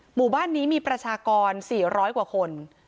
หมู่บ้านนี้มีประชากร๔๐๐กว่าคน